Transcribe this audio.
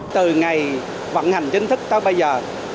từ ngày vận hành chính thức tới bây giờ